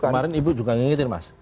kemarin ibu juga ngingetin mas